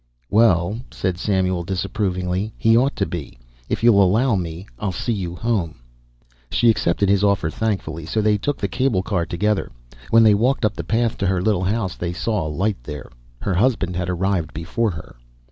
"Well," said Samuel disapprovingly, "he ought to be. If you'll allow me I'll see you home." She accepted his offer thankfully, so they took the cable car together. When they walked up the path to her little house they saw a light there; her husband had arrived before her.